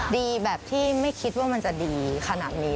ดีแบบที่ไม่คิดว่ามันจะดีขนาดนี้